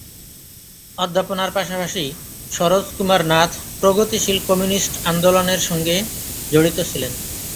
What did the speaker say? অধ্যাপনার পাশাপাশি সরোজ কুমার নাথ প্রগতিশীল কমিউনিস্ট আন্দোলনের সঙ্গে জড়িত ছিলেন।